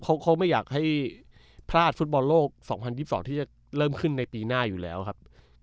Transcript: เขาไม่อยากให้พลาดฟุตบอลโลก๒๐๒๒ที่จะเริ่มขึ้นในปีหน้าอยู่แล้วครับ